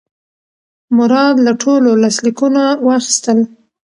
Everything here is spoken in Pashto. مراد له ټولو لاسلیکونه واخیستل.